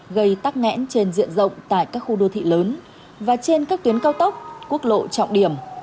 gây tắc nghẽn trên diện rộng tại các khu đô thị lớn và trên các tuyến cao tốc quốc lộ trọng điểm